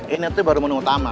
ini nanti baru menu utama